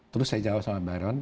terus saya jawab sama byron